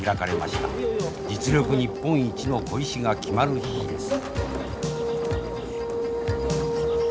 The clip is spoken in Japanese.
実力日本一の鯉師が決まる日です。